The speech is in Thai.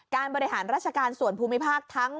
๑การบริหารราชการส่วนภูมิภาคทั้งหมด